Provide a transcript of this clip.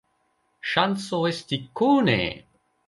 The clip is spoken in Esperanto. Ŝanco esti kune!